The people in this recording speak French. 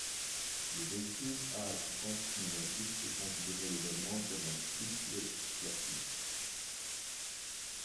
Le véhicule à assistance pneumatique est considéré légalement comme un cycle classique.